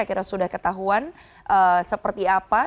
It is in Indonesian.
akhirnya sudah ketahuan seperti apa